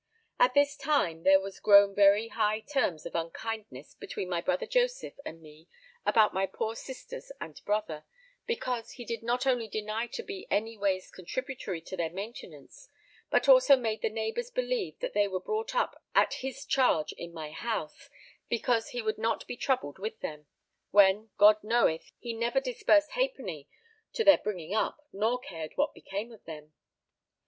At this time there was grown very high terms of unkindness between my brother Joseph and me about my poor sisters and brother, because he did not only deny to be any ways contributory to their maintenance but also made the neighbours believe that they were brought up at his charge in my house, because he would not be troubled with them, when God knoweth he never disbursed halfpenny to their bringing up, nor cared what became of them.